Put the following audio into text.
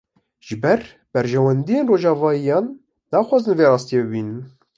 Ji ber berjewendiyên rojavayiyan, naxwazin vê rastiyê bibînin